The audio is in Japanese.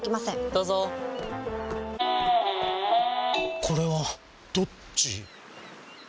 どうぞこれはどっち？